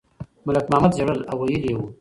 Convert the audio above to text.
ملک محمد ژړل او ویلي یې وو.